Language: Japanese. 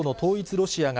ロシアが、